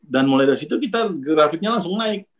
dan mulai dari situ kita grafitnya langsung naik